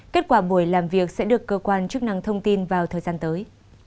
kết quả buổi làm việc sẽ được cơ quan chức năng thông tin vào thời gian tới